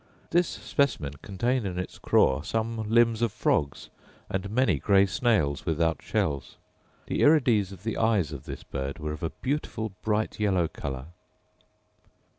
This specimen contained in its craw some limbs of frogs, and many grey snails without shells. The irides of the eyes of this bird were of a beautiful bright yellow colour.